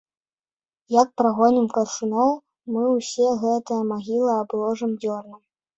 Як прагонім каршуноў, мы ўсе гэтыя магілы абложым дзёрнам.